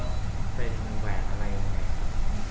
เป็นแหวนอะไรยังไง